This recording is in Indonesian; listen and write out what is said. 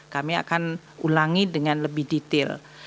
kami akan ulangi dengan lebih detail